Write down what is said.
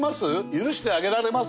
許してあげられます？